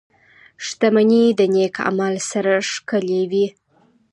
• شتمني د نېک عمل سره ښکلې وي.